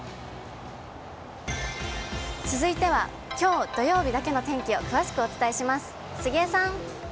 続いてはきょう土曜日だけの天気を詳しくお伝えします。